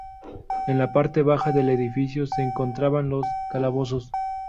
En la parte baja del edificio se encontraban los calabozos.